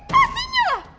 ya pastinya lah